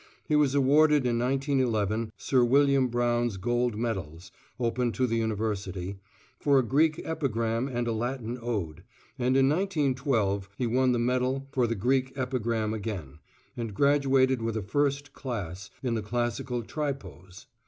He was awarded in 1911 Sir William Browne's gold medals (open to the University) for a Greek epigram and a Latin ode, and in 1912 he won the medal for the Greek epigram again, and graduated with a First Class in the Classical Tripos.